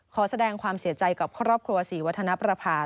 ขอแสดงความเสียใจกับครอบครัวศรีวัฒนประพา